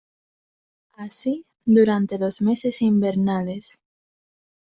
Así durante los meses invernales.